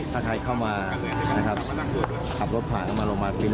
ถ้าใครเข้ามานะครับขับรถผ่านเข้ามาโรงพยาบาลฟินทร์